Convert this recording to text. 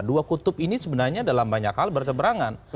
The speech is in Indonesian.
dua kutub ini sebenarnya dalam banyak hal berseberangan